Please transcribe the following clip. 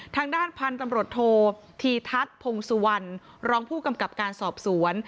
ทางด้านพันธุ์ตำรวจโทษธีทัศน์พงสุวรรณรองผู้กำกับการสอบสวน